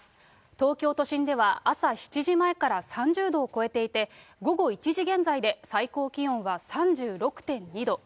東京都心では朝７時前から３０度を超えていて、午後１時現在で最高気温は３６．２度。